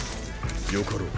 よかろう。